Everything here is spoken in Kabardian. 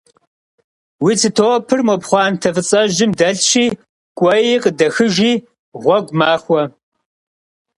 Уи цы топыр мо пхъуантэ фӀыцӀэжьым дэлъщи кӀуэи къыдэхыжи, гъуэгу махуэ.